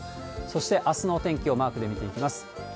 そしてあすのお天気をマークで見ていきます。